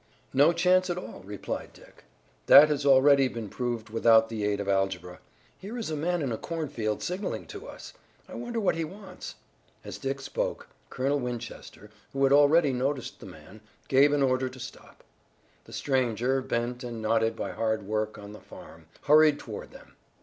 "No chance at all," replied Dick. "That has already been proved without the aid of algebra. Here is a man in a cornfield signaling to us. I wonder what he wants?" As Dick spoke, Colonel Winchester, who had already noticed the man, gave an order to stop. The stranger, bent and knotted by hard work on the farm, hurried toward them.